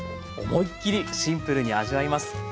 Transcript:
思いっきりシンプルに味わえます。